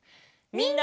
みんな！